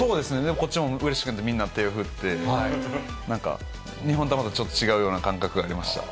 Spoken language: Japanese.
こっちもうれしくなって、みんな手を振って、なんか日本とはまたちょっと違う感覚がありました。